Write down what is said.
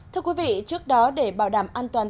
thưa quý vị trước đó để bảo đảm an toàn